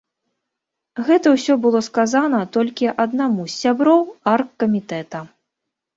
Гэта ўсё было сказана толькі аднаму з сяброў аргкамітэта.